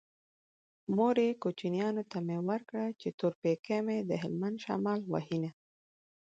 مورې کوچيانو ته مې ورکړه چې تور پېکی مې د هلبند شمال وهينه